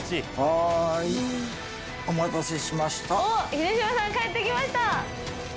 秀島さん帰って来ました。